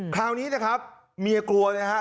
คราวนี้นะครับเมียกลัวนะครับ